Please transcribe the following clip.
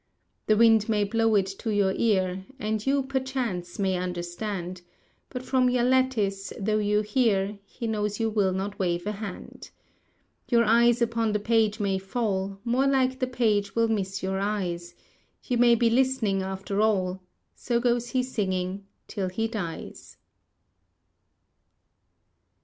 The wind may blow it to your ear, And you, perchance, may understand; But from your lattice, though you hear, He knows you will not wave a hand. Your eyes upon the page may fall, More like the page will miss your eyes; You may be listening after all, So goes he singing till he dies.